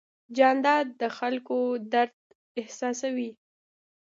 جانداد د خلکو درد احساسوي.